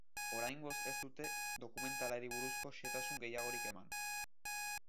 Oraingoz ez dute dokumentalari buruzko xehetasun gehiagorik eman.